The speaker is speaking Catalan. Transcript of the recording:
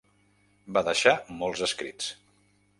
Va deixar molts escrits.